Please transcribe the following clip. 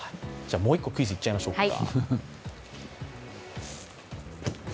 もう１個、クイズいっちゃいましょうか。